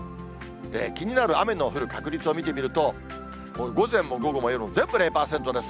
気になる雨の降る確率を見てみると、午前も午後も夜も全部０％です。